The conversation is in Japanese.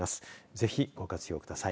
ぜひご活用ください。